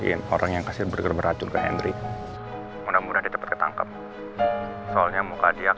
iya terima kasih banyak pak